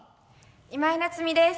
今井菜津美です。